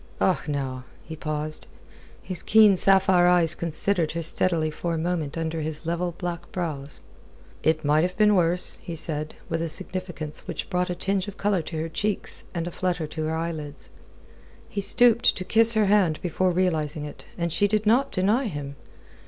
"Och, now...." He paused. His keen sapphire eyes considered her steadily a moment from under his level black brows. "It might have been worse," he said, with a significance which brought a tinge of colour to her cheeks and a flutter to her eyelids. He stooped to kiss her hand before releasing it, and she did not deny him.